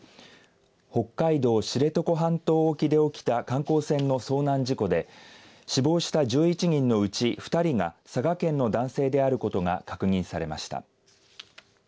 北海道、知床半島沖で起きた観光船の遭難事故で死亡した１１人のうち２人が佐賀県の男性であることが確認されました。